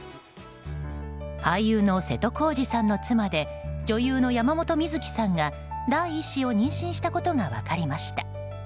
俳優の瀬戸康史さんの妻で女優の山本美月さんが第１子を妊娠したことが分かりました。